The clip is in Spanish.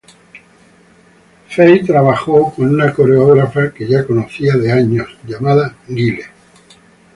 Fey trabajo con una coreógrafa que ya conocía de años llamada Guille.